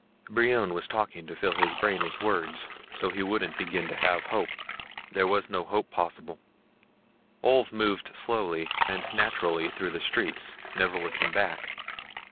Brion was talking to fill his brain with words so he wouldn't begin to have hope. There was no hope possible. Ulv moved slowly and naturally through the streets, never looking back.